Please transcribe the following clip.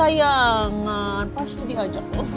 sayang pasti di ajak